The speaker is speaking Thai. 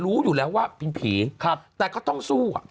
รู้อยู่แล้วว่าเป็นผีแต่ก็ต้องสู้